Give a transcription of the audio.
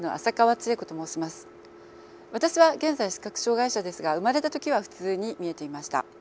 私は現在視覚障害者ですが産まれた時は普通に見えていました。